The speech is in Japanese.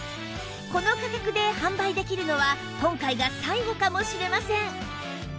この価格で販売できるのは今回が最後かもしれません！